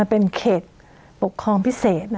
เป็นเขตปกครองพิเศษ